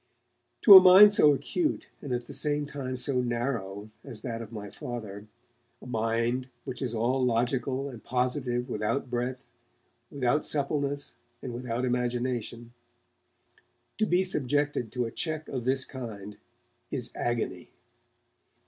To a mind so acute and at the same time so narrow as that of my Father a mind which is all logical and positive without breadth, without suppleness and without imagination to be subjected to a check of this kind is agony.